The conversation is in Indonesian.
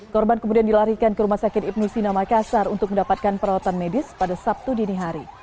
korban kemudian dilarikan ke rumah sakit ibnu sina makassar untuk mendapatkan perawatan medis pada sabtu dini hari